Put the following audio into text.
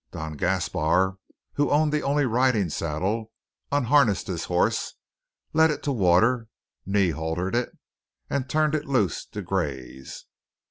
Don Gaspar, who owned the only riding saddle, unharnessed his horse, led it to water, knee haltered it, and turned it loose to graze.